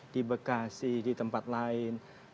di bekasi di tempat lain